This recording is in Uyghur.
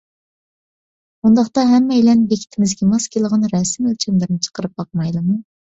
ئۇنداقتا ھەممەيلەن بېكىتىمىزگە ماس كېلىدىغان رەسىم ئۆلچەملىرىنى چىقىرىپ باقمايلىمۇ؟